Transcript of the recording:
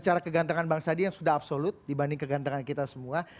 cara kegantengan bang sandi yang sudah absolut dibanding kegantengan kita semua